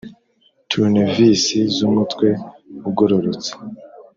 Turunevisi z’umutwe ugororotse,